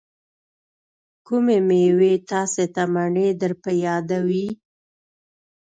کومې میوې تاسې ته منی در په یادوي؟